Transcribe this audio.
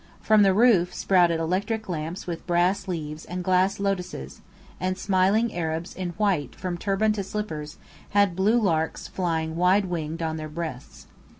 From the roof, sprouted electric lamps with brass leaves and glass lotuses; and smiling Arabs in white from turban to slippers had blue larks flying wide winged on their breasts.